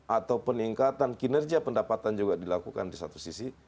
atau peningkatan kinerja pendapatan juga dilakukan di satu sisi